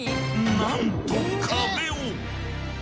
なんと壁を。